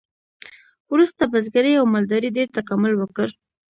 وروسته بزګرۍ او مالدارۍ ډیر تکامل وکړ.